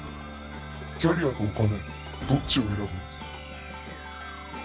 キャリアとお金どっちを選ぶ？